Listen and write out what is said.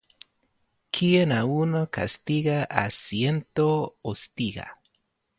Quien a uno castiga a ciento hostiga.